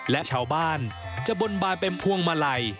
และชาวบ้านจะบนบานเป็นพวงมาลัย